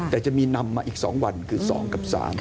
แต่จะมีนำมาอีก๒วันคือ๒กับ๓